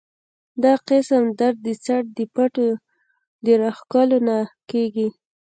دا قسمه درد د څټ د پټو د راښکلو نه کيږي